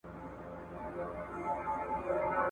شاوخوا یې پلټی ځای په دوکان کي ,